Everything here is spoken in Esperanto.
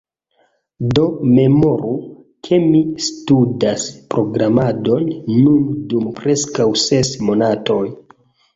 Do memoru, ke mi studas programadon nun dum preskaŭ ses monatoj.